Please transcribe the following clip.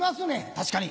確かに。